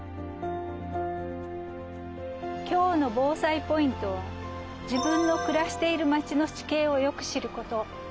今日の防災ポイントは自分のくらしている町の地形をよく知る事。